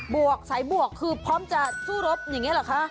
วกสายบวกคือพร้อมจะสู้รบอย่างนี้เหรอคะ